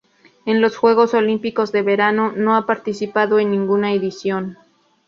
En los Juegos Olímpicos de Verano no ha participado en ninguna edición.